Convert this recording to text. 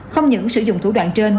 không những sử dụng thủ đoạn trên